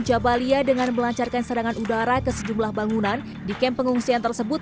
jabalia dengan melancarkan serangan udara ke sejumlah bangunan di kamp pengungsian tersebut